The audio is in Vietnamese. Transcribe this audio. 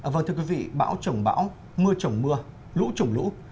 vâng thưa quý vị bão trồng bão mưa trồng mưa lũ trồng lũ